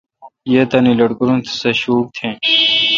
یی تانی لٹکورو ام سہ شوک تیں۔